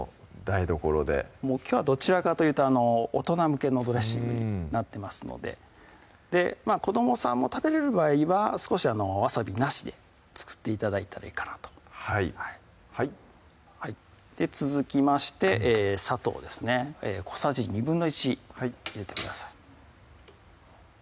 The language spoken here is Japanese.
きょうはどちらかというと大人向けのドレッシングになってますので子どもさんも食べれる場合は少しわさびなしで作って頂いたらいいかなとはい続きまして砂糖ですね小さじ１／２入れてください